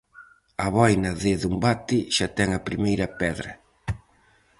A boina de Dombate xa ten a primeira pedra.